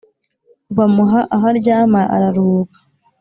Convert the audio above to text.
bamuha aho aryama araruhuka